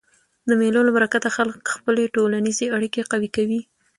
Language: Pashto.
د مېلو له برکته خلک خپلي ټولنیزي اړیکي قوي کوي.